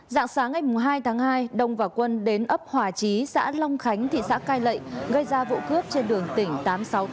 dạng sáng ngày hai tháng hai đông và quân đến ấp hòa chí xã long khánh thị xã cai lệ gây ra vụ cướp trên đường tỉnh tám trăm sáu mươi tám